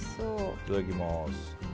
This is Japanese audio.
いただきます。